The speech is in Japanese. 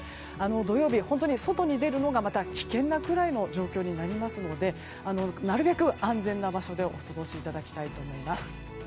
土曜日は外に出るのが危険なくらいの状況になりますのでなるべく安全な場所でお過ごしいただきたいと思います。